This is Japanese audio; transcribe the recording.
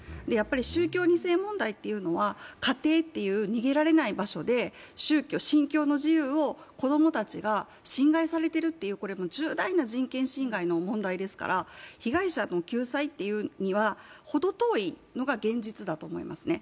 宗教２世問題というのは家庭という逃げられない場所で宗教、信教の自由を子供たちが侵害されてるっていう重大な人権侵害の問題ですから被害者の救済というには程遠いのが現実だと思いますね。